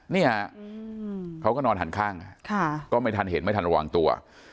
เนี่ยเขาก็นอนหันข้างก็ไม่ทันเห็นไม่ทันระวังตัว